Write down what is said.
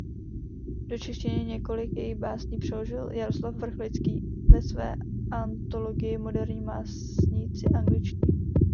Do češtiny několik jejích básní přeložil Jaroslav Vrchlický ve své antologii "Moderní básníci angličtí".